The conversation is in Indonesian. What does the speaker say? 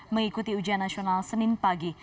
mengikuti ujian nasional senin pagi